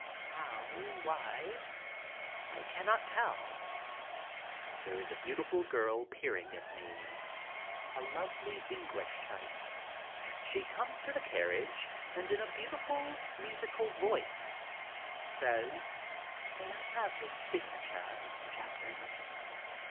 How, why, I cannot tell. There is a beautiful girl peering at me, a lovely English type. She comes to the carriage and in a beautiful, musical voice says, "May I have your signature, Mr. Chaplin?"